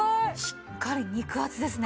しっかり肉厚ですね。